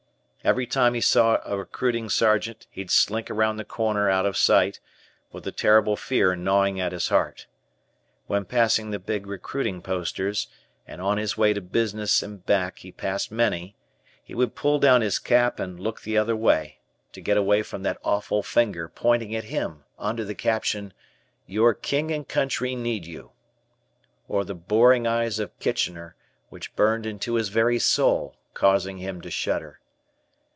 Every time he saw a recruiting sergeant, he'd slink around the corner out of sight, with a terrible fear gnawing at his heart. When passing the big recruiting posters, and on his way to business and back he passed many, he would pull down his cap and look the other way, to get away from that awful finger pointing at him, under the caption, "Your King and Country Need You"; or the boring eyes of Kitchener, which burned into his very soul, causing him to shudder.